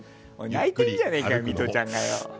泣いてるじゃねえかミトちゃんも。